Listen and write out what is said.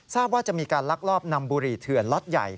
ว่าจะมีการลักลอบนำบุรีเถื่อนล็อตใหญ่